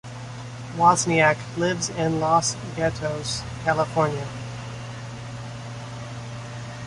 Wozniak lives in Los Gatos, California.